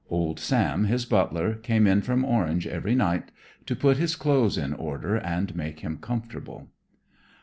Old Sam, his butler, came in from Orange every night to put his clothes in order and make him comfortable.